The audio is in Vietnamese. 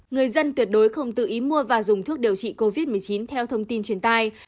người dân tuyệt đối không tự ý mua và dùng thuốc điều trị covid một mươi chín theo thông tin truyền tai